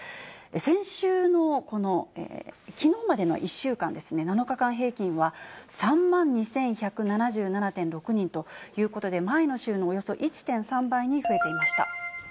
先週のこの、きのうまでの１週間ですね、７日間平均は３万２１７７．６人ということで、前の週のおよそ１．３倍に増えていました。